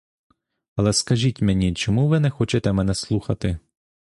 Але скажіть мені, чому ви не хочете мене слухати?